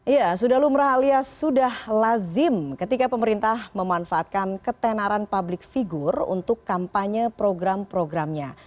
ya sudah lumrah alias sudah lazim ketika pemerintah memanfaatkan ketenaran publik figur untuk kampanye program programnya